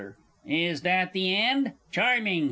Is that the end? Charming!